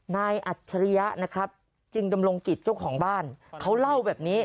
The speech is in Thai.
อัจฉริยะนะครับจึงดำรงกิจเจ้าของบ้านเขาเล่าแบบนี้